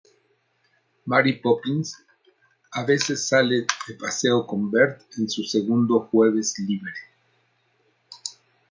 Mary Poppins a veces sale de paseo con Bert en su segundo jueves libre.